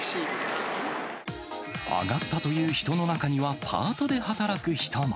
上がったという人の中には、パートで働く人も。